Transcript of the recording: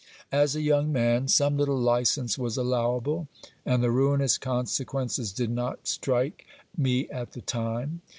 As a young man, some little licence was allowable ; and the ruinous consequences did not strike me at the time.